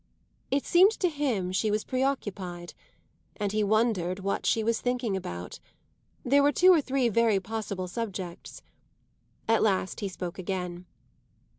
It seemed to him she was preoccupied, and he wondered what she was thinking about; there were two or three very possible subjects. At last he spoke again.